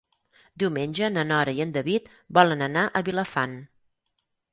Diumenge na Nora i en David volen anar a Vilafant.